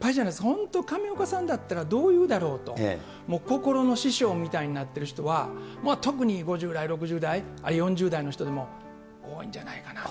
本当、上岡さんだったらどう言うだろうって、心の師匠みたいになってる人は、特に５０代、６０代、４０代の人でも、多いんじゃないかなと。